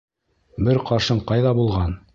— Бер ҡашың ҡайҙа булған?